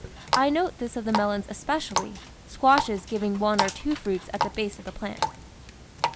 I note this of the melons especially, squashes giving one or two fruits at the base of the plant.